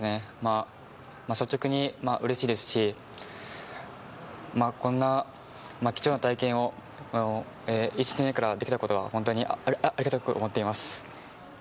率直に嬉しいですし、こんな貴重な体験を１年目からできたことが本当にありがたく思っています。